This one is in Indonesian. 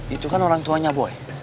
itu kan orang tuanya boy